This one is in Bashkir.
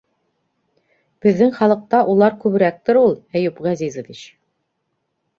- Беҙҙең халыҡта улар күберәктер ул, Әйүп Ғәзизович.